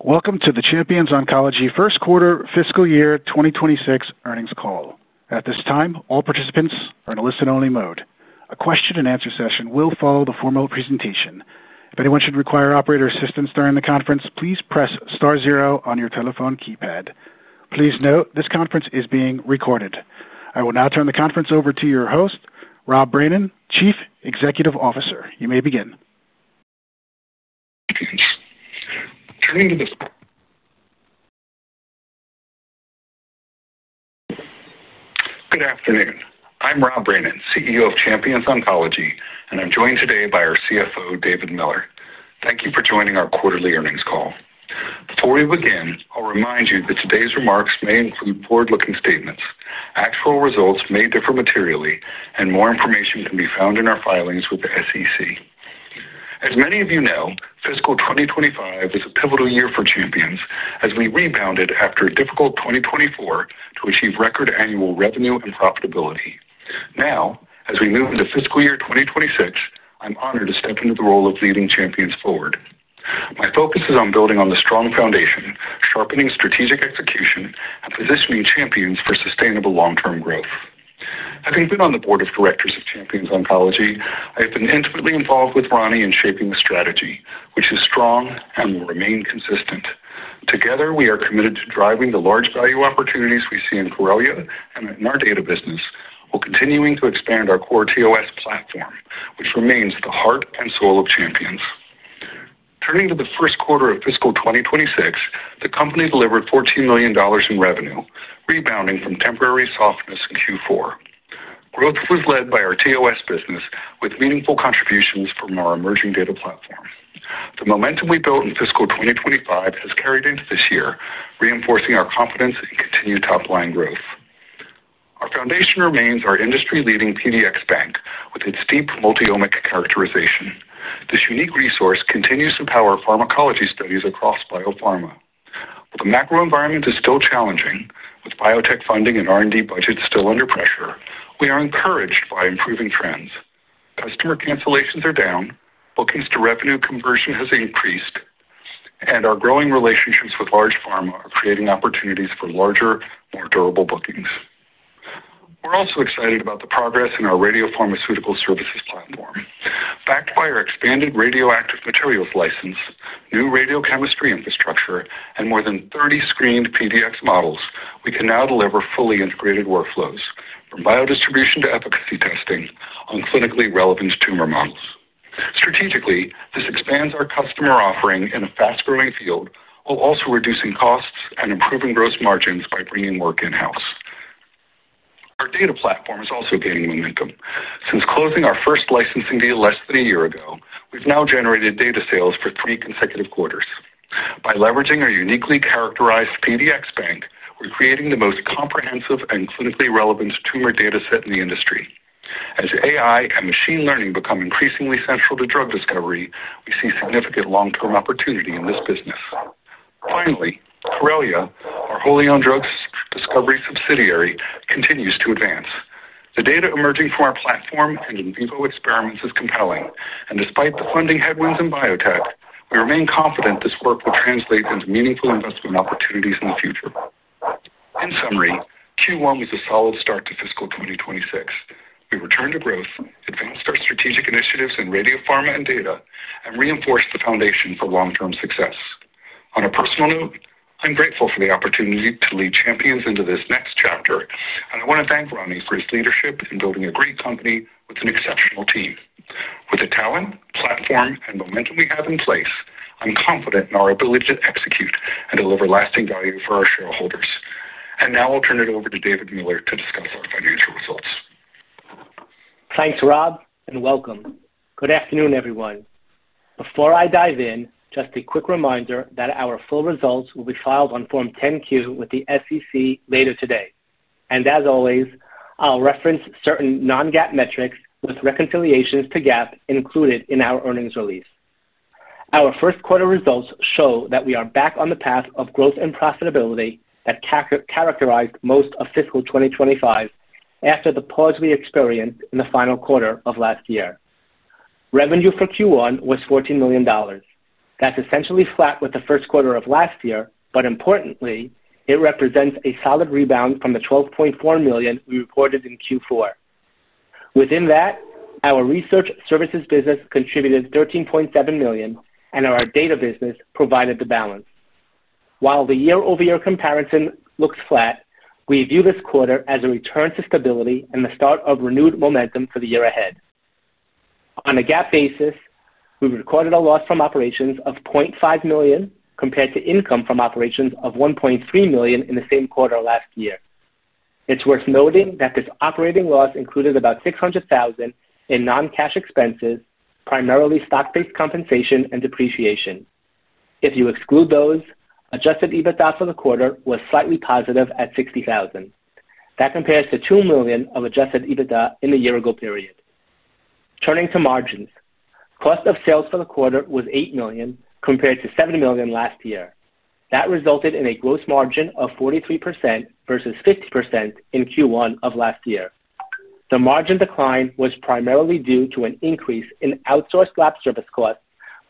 Welcome to the Champions Oncology First Quarter Fiscal Year 2026 Earnings Call. At this time, all participants are in a listen-only mode. A question and answer session will follow the formal presentation. If anyone should require operator assistance during the conference, please press star zero on your telephone keypad. Please note this conference is being recorded. I will now turn the conference over to your host, Rob Brainin, Chief Executive Officer. You may begin. Good afternoon. I'm Rob Brainin, CEO of Champions Oncology, and I'm joined today by our CFO, David Miller. Thank you for joining our quarterly earnings call. Before we begin, I'll remind you that today's remarks may include forward-looking statements. Actual results may differ materially, and more information can be found in our filings with the SEC. As many of you know, fiscal 2025 is a pivotal year for Champions as we rebounded after a difficult 2024 to achieve record annual revenue and profitability. Now, as we move into fiscal year 2026, I'm honored to step into the role of leading Champions forward. My focus is on building on the strong foundation, sharpening strategic execution, and positioning Champions for sustainable long-term growth. Having been on the Board of Directors of Champions Oncology, I have been intimately involved with Ronnie in shaping the strategy, which is strong and will remain consistent. Together, we are committed to driving the large value opportunities we see in Corellia and in our data business, while continuing to expand our core TOS platform, which remains the heart and soul of Champions. Turning to the first quarter of fiscal 2026, the company delivered $14 million in revenue, rebounding from temporary softness in Q4. Growth was led by our TOS business, with meaningful contributions from our emerging data platform. The momentum we built in fiscal 2025 has carried into this year, reinforcing our confidence in continued top-line growth. Our foundation remains our industry-leading PDX bank, with its deep multiomic characterization. This unique resource continues to power pharmacology studies across biopharma. The macro environment is still challenging, with biotech funding and R&D budgets still under pressure. We are encouraged by improving trends. Customer cancellations are down, bookings to revenue conversion have increased, and our growing relationships with large pharma are creating opportunities for larger, more durable bookings. We're also excited about the progress in our radiopharmaceutical services platform. Backed by our expanded radioactive materials license, new radiochemistry infrastructure, and more than 30 screened PDX models, we can now deliver fully integrated workflows, from biodistribution to efficacy testing on clinically relevant tumor models. Strategically, this expands our customer offering in a fast-growing field, while also reducing costs and improving gross margins by bringing work in-house. Our data platform is also gaining momentum. Since closing our first licensing deal less than a year ago, we've now generated data sales for three consecutive quarters. By leveraging our uniquely characterized PDX bank, we're creating the most comprehensive and clinically relevant tumor dataset in the industry. As AI and machine learning become increasingly central to drug discovery, we see significant long-term opportunity in this business. Finally, Corellia, fully owned drug discovery subsidiary, continues to advance. The data emerging from our platform and in vivo experiments is compelling. Despite the funding headwinds in biotech, we remain confident this work will translate into meaningful investment opportunities in the future. In summary, Q1 was a solid start to fiscal 2026. We returned to growth, advanced our strategic initiatives in radiopharma and data, and reinforced the foundation for long-term success. On a personal note, I'm grateful for the opportunity to lead Champions into this next chapter, and I want to thank Ronnie for his leadership in building a great company with an exceptional team. With the talent, platform, and momentum we have in place, I'm confident in our ability to execute and deliver lasting value for our shareholders. Now I'll turn it over to David Miller to discuss our financial results. Thanks, Rob, and welcome. Good afternoon, everyone. Before I dive in, just a quick reminder that our full results will be filed on Form 10-Q with the SEC later today. As always, I'll reference certain non-GAAP metrics with reconciliations to GAAP included in our earnings release. Our first quarter results show that we are back on the path of growth and profitability that characterized most of fiscal 2025 after the pause we experienced in the final quarter of last year. Revenue for Q1 was $14 million. That's essentially flat with the first quarter of last year, but importantly, it represents a solid rebound from the $12.4 million we reported in Q4. Within that, our research services business contributed $13.7 million, and our data business provided the balance. While the year-over-year comparison looks flat, we view this quarter as a return to stability and the start of renewed momentum for the year ahead. On a GAAP basis, we recorded a loss from operations of $0.5 million compared to income from operations of $1.3 million in the same quarter last year. It's worth noting that this operating loss included about $600,000 in non-cash expenses, primarily stock-based compensation and depreciation. If you exclude those, adjusted EBITDA for the quarter was slightly positive at $60,000. That compares to $2 million of adjusted EBITDA in the year-ago period. Turning to margins, cost of sales for the quarter was $8 million compared to $7 million last year. That resulted in a gross margin of 43% versus 50% in Q1 of last year. The margin decline was primarily due to an increase in outsourced lab service costs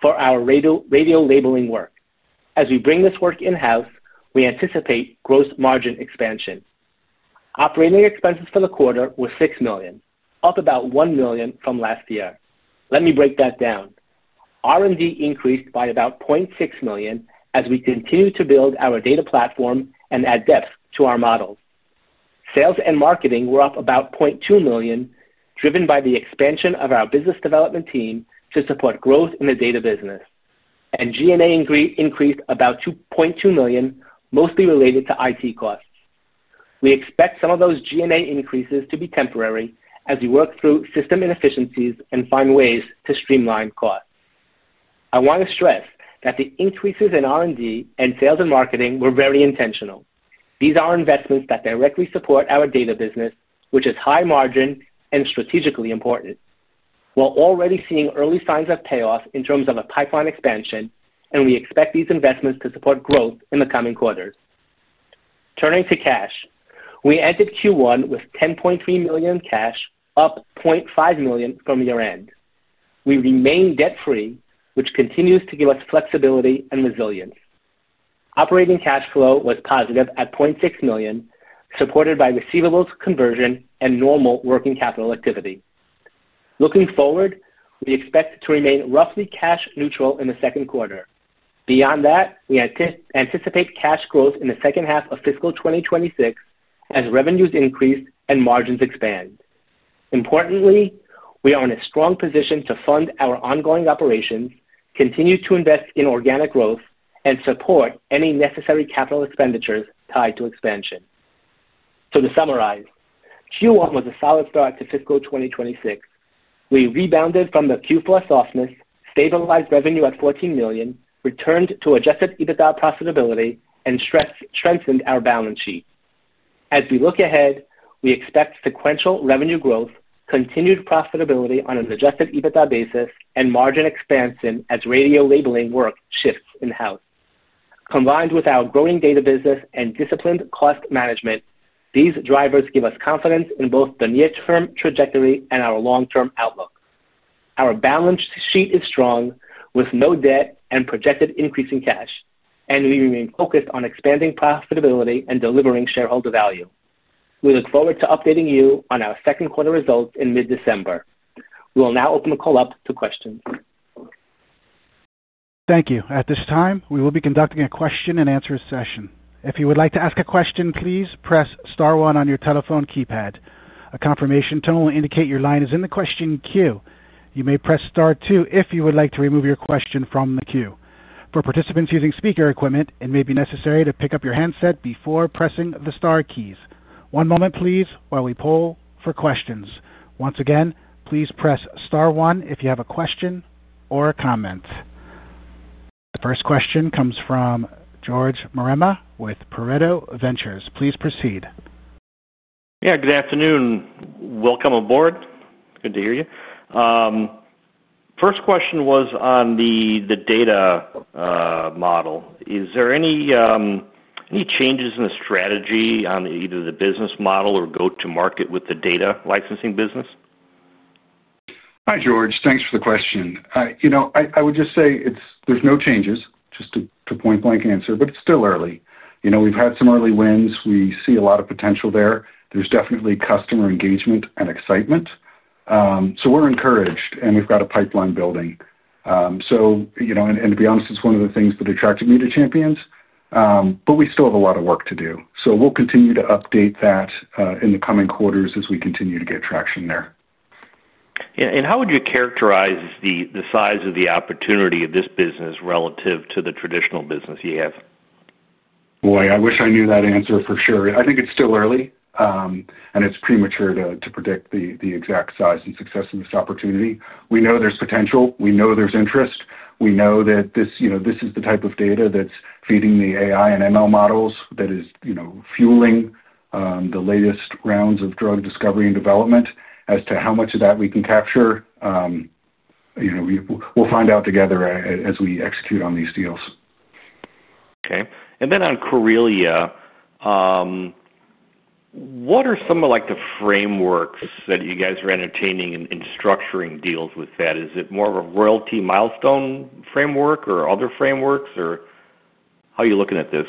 for our radiolabeling work. As we bring this work in-house, we anticipate gross margin expansion. Operating expenses for the quarter were $6 million, up about $1 million from last year. Let me break that down. R&D increased by about $0.6 million as we continued to build our data platform and add depth to our model. Sales and marketing were up about $0.2 million, driven by the expansion of our business development team to support growth in the data business. G&A increased about $0.2 million, mostly related to IT costs. We expect some of those G&A increases to be temporary as we work through system inefficiencies and find ways to streamline costs. I want to stress that the increases in R&D and sales and marketing were very intentional. These are investments that directly support our data business, which is high margin and strategically important. We're already seeing early signs of payoff in terms of a pipeline expansion, and we expect these investments to support growth in the coming quarters. Turning to cash, we ended Q1 with $10.3 million in cash, up $0.5 million from year-end. We remain debt-free, which continues to give us flexibility and resilience. Operating cash flow was positive at $0.6 million, supported by receivables, conversion, and normal working capital activity. Looking forward, we expect to remain roughly cash neutral in the second quarter. Beyond that, we anticipate cash growth in the second half of fiscal 2026 as revenues increase and margins expand. Importantly, we are in a strong position to fund our ongoing operations, continue to invest in organic growth, and support any necessary capital expenditures tied to expansion. To summarize, Q1 was a solid start to fiscal 2026. We rebounded from the Q-plus softness, stabilized revenue at $14 million, returned to adjusted EBITDA profitability, and strengthened our balance sheet. As we look ahead, we expect sequential revenue growth, continued profitability on an adjusted EBITDA basis, and margin expansion as radial labeling work shifts in-house. Combined with our growing data business and disciplined cost management, these drivers give us confidence in both the near-term trajectory and our long-term outlook. Our balance sheet is strong, with no debt and projected increase in cash, and we remain focused on expanding profitability and delivering shareholder value. We look forward to updating you on our second quarter results in mid-December. We will now open the call up to questions. Thank you. At this time, we will be conducting a question and answer session. If you would like to ask a question, please press star one on your telephone keypad. A confirmation tone will indicate your line is in the question queue. You may press star two if you would like to remove your question from the queue. For participants using speaker equipment, it may be necessary to pick up your handset before pressing the star keys. One moment, please, while we poll for questions. Once again, please press star one if you have a question or a comment. The first question comes from George Marema with Pareto Ventures. Please proceed. Good afternoon. Welcome aboard. Good to hear you. First question was on the data model. Is there any changes in the strategy on either the business model or go-to-market with the data licensing business? Hi, George. Thanks for the question. I would just say there's no changes, just a point-blank answer, but it's still early. We've had some early wins. We see a lot of potential there. There's definitely customer engagement and excitement. We're encouraged, and we've got a pipeline building. To be honest, it's one of the things that attracted me to Champions. We still have a lot of work to do. We'll continue to update that in the coming quarters as we continue to get traction there. Yeah, how would you characterize the size of the opportunity of this business relative to the traditional business you have? I wish I knew that answer for sure. I think it's still early, and it's premature to predict the exact size and success of this opportunity. We know there's potential. We know there's interest. We know that this is the type of data that's feeding the AI and ML models that is fueling the latest rounds of drug discovery and development. As to how much of that we can capture, we'll find out together as we execute on these deals. Okay. On Corellia, what are some of the frameworks that you guys are entertaining in structuring deals with that? Is it more of a royalty milestone framework or other frameworks, or how are you looking at this?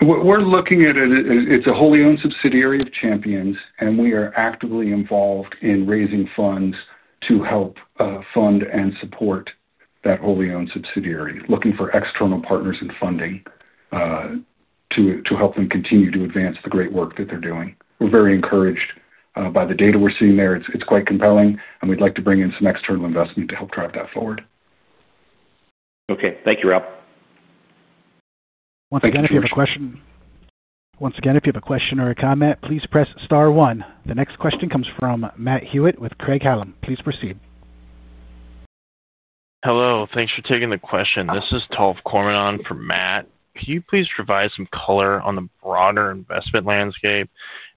We're looking at it as a wholly owned subsidiary of Champions, and we are actively involved in raising funds to help fund and support that wholly owned subsidiary, looking for external partners and funding to help them continue to advance the great work that they're doing. We're very encouraged by the data we're seeing there. It's quite compelling, and we'd like to bring in some external investment to help drive that forward. Okay. Thank you, Rob. Once again, if you have a question, please press star one. The next question comes from Matt Hewitt with Craig-Hallum. Please proceed. Hello. Thanks for taking the question. This is Tol Kohrman from Matt. Can you please provide some color on the broader investment landscape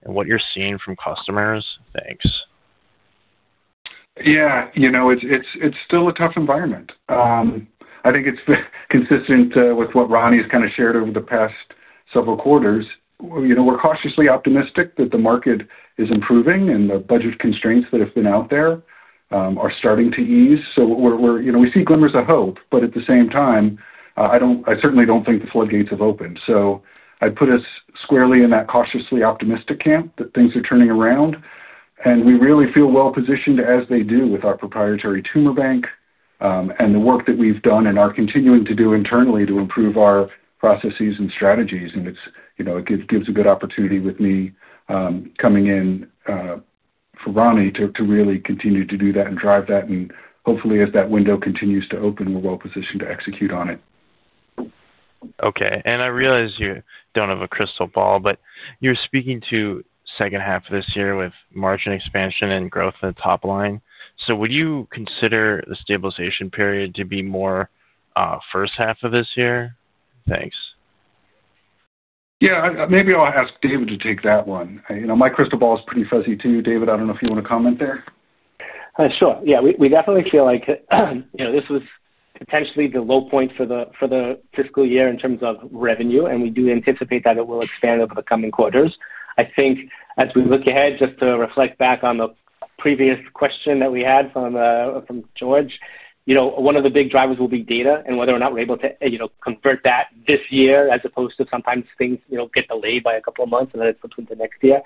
and what you're seeing from customers? Thanks. Yeah, it's still a tough environment. I think it's been consistent with what Ronnie has shared over the past several quarters. We're cautiously optimistic that the market is improving and the budget constraints that have been out there are starting to ease. We see glimmers of hope, but at the same time, I certainly don't think the floodgates have opened. I'd put us squarely in that cautiously optimistic camp that things are turning around. We really feel well-positioned as they do with our proprietary tumor bank and the work that we've done and are continuing to do internally to improve our processes and strategies. It gives a good opportunity with me coming in for Ronnie to really continue to do that and drive that. Hopefully, as that window continues to open, we're well-positioned to execute on it. Okay. I realize you don't have a crystal ball, but you're speaking to the second half of this year with margin expansion and growth in the top line. Would you consider the stabilization period to be more first half of this year? Thanks. Yeah, maybe I'll ask David to take that one. You know, my crystal ball is pretty fuzzy too. David, I don't know if you want to comment there. Sure. We definitely feel like this was potentially the low point for the fiscal year in terms of revenue, and we do anticipate that it will expand over the coming quarters. I think as we look ahead, just to reflect back on the previous question that we had from George, one of the big drivers will be data and whether or not we're able to convert that this year as opposed to sometimes things get delayed by a couple of months and then it puts them to next year.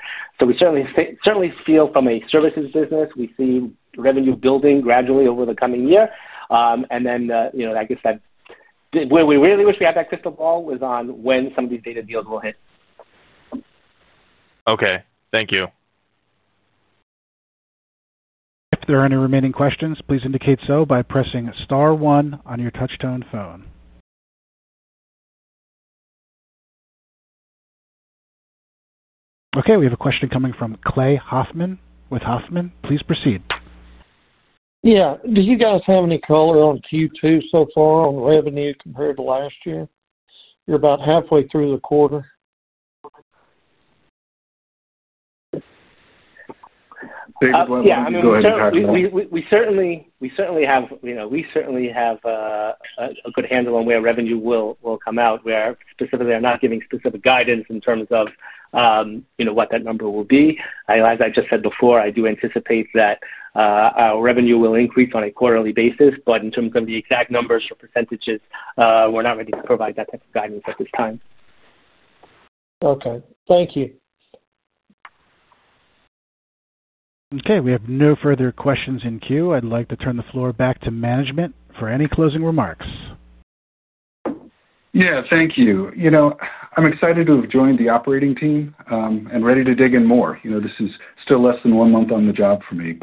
We certainly feel from a services business, we see revenue building gradually over the coming year. I guess that where we really wish we had that crystal ball was on when some of these data deals will hit. Okay, thank you. If there are any remaining questions, please indicate so by pressing star one on your touchtone phone. Okay, we have a question coming from Clay Hoffman with Hoffman. Please proceed. Yeah. Do you guys have any color on Q2 so far on revenue compared to last year? You're about halfway through the quarter. We certainly have a good handle on where revenue will come out. We specifically are not giving specific guidance in terms of what that number will be. As I just said before, I do anticipate that our revenue will increase on a quarterly basis, but in terms of the exact numbers or percentages, we're not ready to provide that type of guidance at this time. Okay, thank you. Okay, we have no further questions in queue. I'd like to turn the floor back to management for any closing remarks. Thank you. I'm excited to have joined the operating team and ready to dig in more. This is still less than one month on the job for me.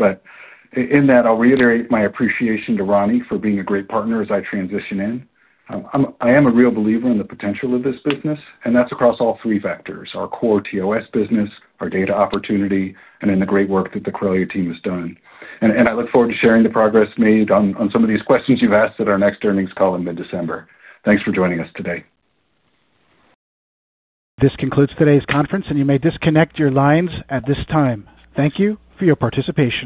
In that, I'll reiterate my appreciation to Ronnie for being a great partner as I transition in. I am a real believer in the potential of this business, and that's across all three vectors: our core TOS business, our data opportunity, and in the great work that the Corellia team has done. I look forward to sharing the progress made on some of these questions you've asked at our next earnings call in mid-December. Thanks for joining us today. This concludes today's conference, and you may disconnect your lines at this time. Thank you for your participation.